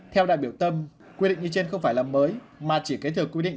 theo đại biểu tâm quy định như trên không phải là mới mà chỉ kế thừa quy định